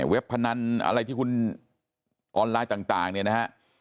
เว็บพนันอะไรที่คุณออนไลน์ต่างนะฮะ